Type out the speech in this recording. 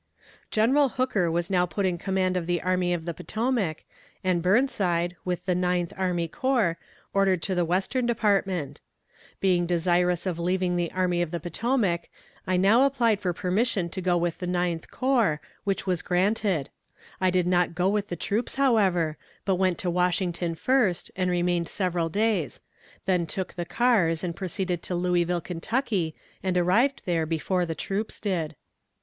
General Hooker was now put in command of the Army of the Potomac, and Burnside, with the Ninth Army Corps, ordered to the Western department. Being desirous of leaving the Army of the Potomac, I now applied for permission to go with the Ninth Corps, which was granted. I did not go with the troops, however, but went to Washington first, and remained several days; then took the cars and proceeded to Louisville, Kentucky, and arrived there before the troops did.